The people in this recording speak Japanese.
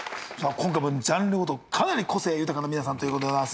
今回もジャンルごとかなり個性豊かな皆さんということでございます